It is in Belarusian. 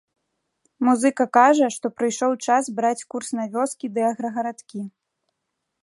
Музыка кажа, што прыйшоў час браць курс на вёскі ды аграгарадкі.